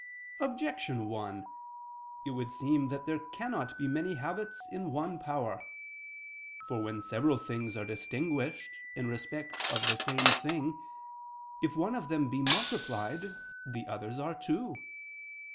Objection 1: It would seem that there cannot be many habits in one power. For when several things are distinguished in respect of the same thing, if one of them be multiplied, the others are too.